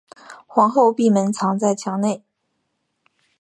皇后闭门藏在墙内。